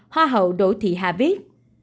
hoa hậu đỗ thị hà viết